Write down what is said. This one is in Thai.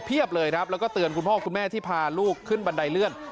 เลยครับแล้วก็เตือนคุณพ่อคุณแม่ที่พาลูกขึ้นบันไดเลื่อน